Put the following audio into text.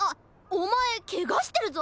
おまえケガしてるぞ！